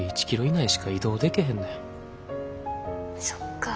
そっか。